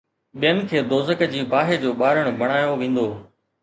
ٻين کي دوزخ جي باهه جو ٻارڻ بڻايو ويندو